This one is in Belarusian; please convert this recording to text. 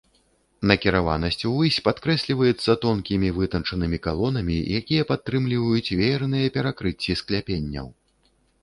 Накіраванасць увысь падкрэсліваецца тонкімі вытанчанымі калонамі, якія падтрымліваюць веерныя перакрыцці скляпенняў.